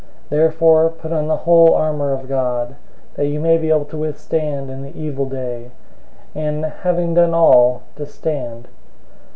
006:013 Therefore, put on the whole armor of God, that you may be able to withstand in the evil day, and, having done all, to stand.